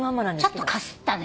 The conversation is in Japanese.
ちょっとかすったね。